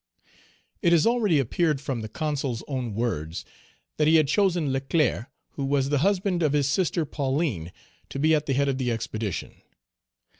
It has already appeared, from the Consul's own words, that he had chosen Leclere, who was the husband of his sister Pauline, to be at the head of the expedition.